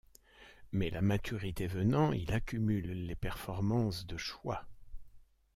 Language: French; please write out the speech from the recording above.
Mais la maturité venant, il accumule les performances de choix.